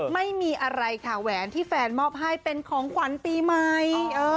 ไม่มีอะไรค่ะแหวนที่แฟนมอบให้เป็นของขวัญปีใหม่